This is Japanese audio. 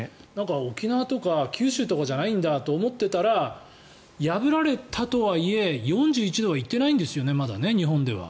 沖縄とか九州とかじゃないんだと思っていたら破られたとはいえ４１度はまだ日本では行っていないですよね。